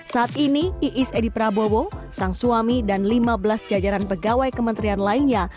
saat ini iis edi prabowo sang suami dan lima belas jajaran pegawai kementerian lainnya